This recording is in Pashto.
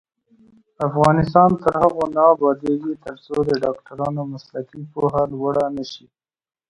افغانستان تر هغو نه ابادیږي، ترڅو د ډاکټرانو مسلکي پوهه لوړه نشي.